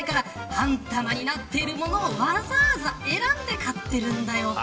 半玉になっているものをわざわざ選んで買っているんだよ。